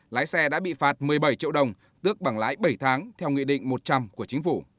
lái xe đã bị phạt một mươi bảy triệu đồng tước bằng lái bảy tháng theo nghị định một trăm linh của chính phủ